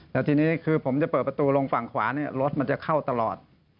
แล้วทีนี้คือผมจะเปิดประตูลงฝั่งขวาเนี่ยรถมันจะเข้าตลอด